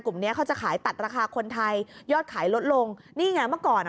เนี้ยเขาจะขายตัดราคาคนไทยยอดขายลดลงนี่ไงเมื่อก่อนอ่ะ